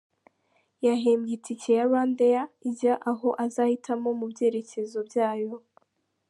Yahembwe itike ya RwandAir ijya aho azahitamo mu byerekezo byayo.